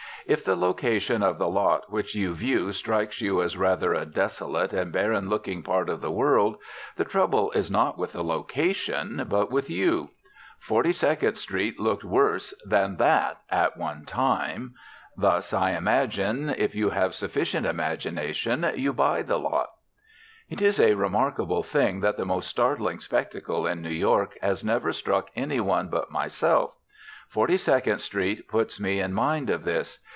If the location of the lot which you view strikes you as rather a desolate and barren looking part of the world the trouble is not with the location but with you. Forty second Street looked worse than that at one time. Thus, I imagine, if you have sufficient imagination you buy the lot. It is a remarkable thing that the most startling spectacle in New York has never struck any one but myself. Forty second Street puts me in mind of this.